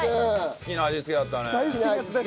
好きな味付けきたね。